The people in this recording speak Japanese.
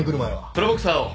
プロボクサーを。